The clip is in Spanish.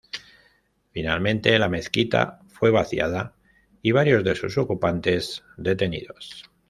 Finalmente la mezquita fue vaciada y varios de sus ocupantes, detenidos.